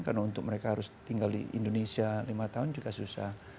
karena untuk mereka harus tinggal di indonesia lima tahun juga susah